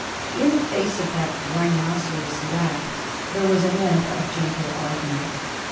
In the face of that "rhinoceros laugh" there was an end of gentle argument.